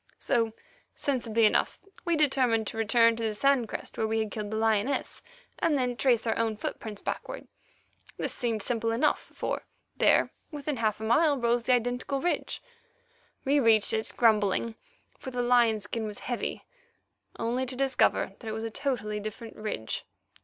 So, sensibly enough, we determined to return to the sand crest where we had killed the lioness, and then trace our own footprints backward. This seemed simple enough, for there, within half a mile, rose the identical ridge. We reached it, grumbling, for the lion skin was heavy, only to discover that it was a totally different ridge.